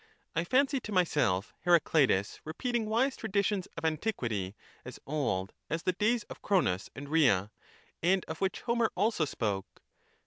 I fancy to myself Heracleitus repeating wise traditions of antiquity as old as the days of Cronos and Rhea, and of which Homer also spoke.